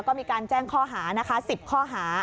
แล้วก็มีการแจ้งข้อหา๑๐ข้อหา